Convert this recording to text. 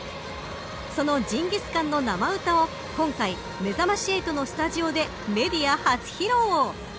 そのジンギスカンの生歌を今回めざまし８のスタジオでメディア初披露。